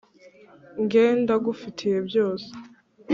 nge ndagufitiye byose.